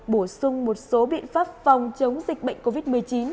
bổ sung một số biện pháp phòng chống dịch bệnh covid một mươi chín